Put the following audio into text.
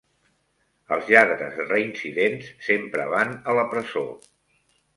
Els lladres reincidents sempre van a la presó